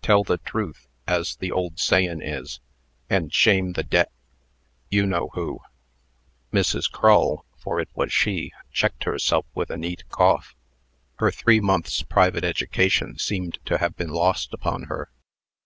Tell the trewth, as the old sayin' is, and shame the de you know who." Mrs. Crull for she it was checked herself with a neat cough. Her three months' private education seemed to have been lost upon her.